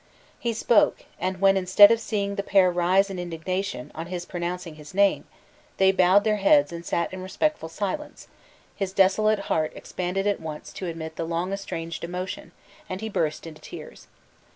He spoke; and when, instead of seeing the pair rise in indignation on his pronouncing his name, they bowed their heads and sat in respectful silence, his desolate heart expanded at once to admit the long estranged emotion, and he burst into tears.